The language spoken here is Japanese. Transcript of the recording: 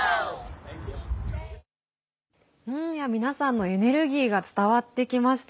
皆さんのエネルギーが伝わってきました。